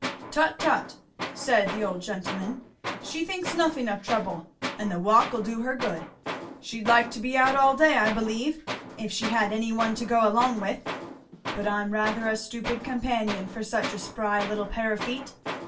"Tut, tut," said the old gentleman; "she thinks nothing of trouble, and the walk'll do her good. She'd like to be out all day, I believe, if she had any one to go along with, but I'm rather a stupid companion for such a spry little pair of feet.